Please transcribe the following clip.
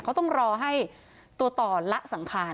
เขาต้องรอให้ตัวต่อละสังขาร